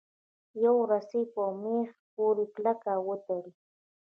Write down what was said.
یوه رسۍ په میخ پورې کلکه وتړئ.